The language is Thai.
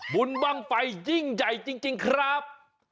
บุญบ้างไฟยิ่งใหญ่จริงครับ